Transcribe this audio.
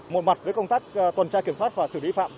một mặt với công tác tuần tra kiểm soát và xử lý phạm